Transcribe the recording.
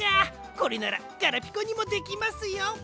これならガラピコにもできますよ！